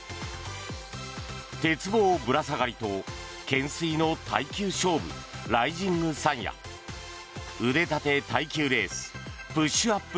鉄棒ぶら下がりと懸垂の耐久勝負ライジングサンや腕立て耐久レースプッシュアップ